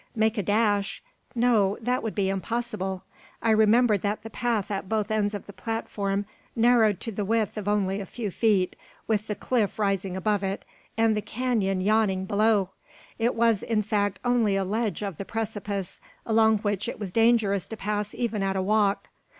Make a dash! No; that would be impossible. I remembered that the path at both ends of the platform narrowed to a width of only a few feet, with the cliff rising above it and the canon yawning below. It was, in fact, only a ledge of the precipice, along which it was dangerous to pass even at a walk.